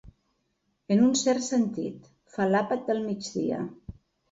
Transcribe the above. En un cert sentit, fa l'àpat del migdia.